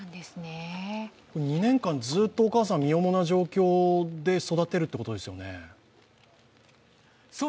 ２年間、ずっとお母さん、身重な状況で育てるということですね？